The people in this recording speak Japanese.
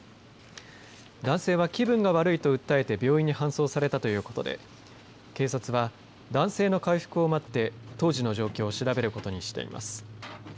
男性は気分が悪いと訴えて病院に搬送されたということで警察は男性の回復を待って当時の状況を調べることにしています。